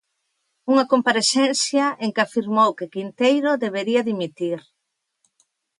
Unha comparecencia en que afirmou que Quinteiro debería dimitir.